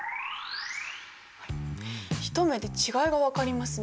一目で違いが分かりますね。